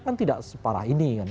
kan tidak separah ini kan